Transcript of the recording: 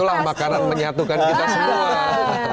itulah makanan menyatukan kita semua